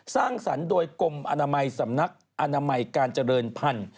สร้างสรรค์โดยกรมอนามัยสำนักอนามัยการเจริญพันธุ์